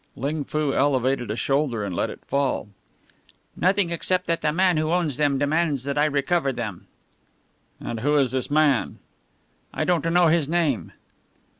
Ling Foo elevated a shoulder and let it fall. "Nothing, except that the man who owns them demands that I recover them." "And who is this man?" "I don't know his name."